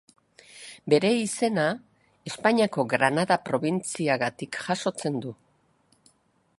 Bere izena Espainiako Granada probintziagatik jasotzen du.